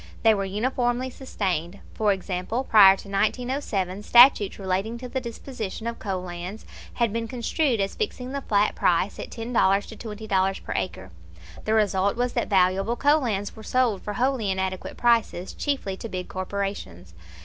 They were uniformly sustained. For example, prior to 1907 statutes relating to the disposition of coal lands had been construed as fixing the flat price at $10 to $20 per acre. The result was that valuable coal lands were sold for wholly inadequate prices, chiefly to big corporations.